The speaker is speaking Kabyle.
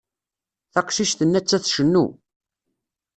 Taqcict-nni atta tcennu.